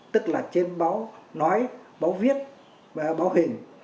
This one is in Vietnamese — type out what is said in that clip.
tức là trên báo nói báo viết báo hình